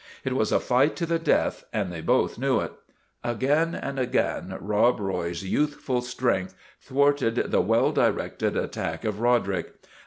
It was a fight to the death, and they both knew it. Again and again Rob Roy's youthful strength thwarted the well directed attack of Roderick.